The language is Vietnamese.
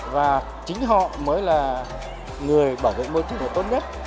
và chính họ mới là người bảo vệ môi trường được tốt nhất